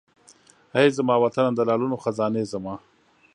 ای زما وطنه د لعلونو خزانې زما!